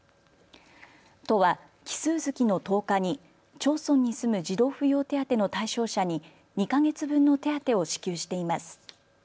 都は奇数月の１０日に町村に住む児童扶養手当の対象者に２か月分の手当を支給しています。